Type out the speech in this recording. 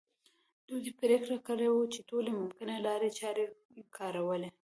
دوی پرېکړه کړې وه چې ټولې ممکنه لارې چارې کاروي.